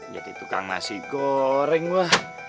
jadi tukang nasi goreng gue